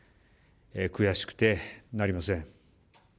悔しくてなりません。